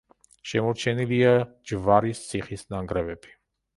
შემორჩენილია ჯვარის ციხის ნანგრევები.